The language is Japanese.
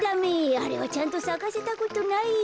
あれはちゃんとさかせたことないよ。